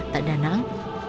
tại đà nẵng